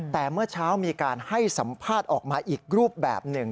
แต่เมื่อเช้ามีการให้สัมภาษณ์ออกมาอีกรูปแบบหนึ่ง